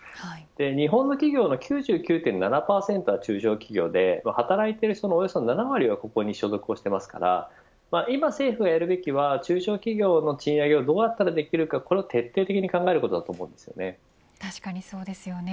日本の企業の９９．７％は中小企業で働いてる人のおよそ７割はここに所属をしていますから今政府がやるべきことは中小企業の賃上げをどうやったらできるかこれを徹底的に確かにそうですよね。